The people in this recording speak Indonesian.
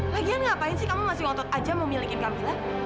lagian ngapain sih kamu masih ngotot aja mau milikin kamila